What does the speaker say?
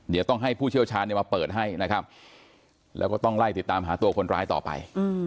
เดี๋ยวต้องให้ผู้เชี่ยวชาญมาเปิดให้นะครับแล้วก็ต้องไล่ติดตามหาตัวคนร้ายต่อไป